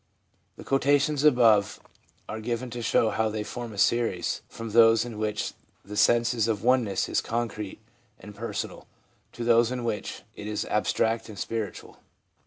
The quota tions above are given to show how they form a series from those in which the sense of oneness is concrete and personal, to those in which it is abstract and spiritual.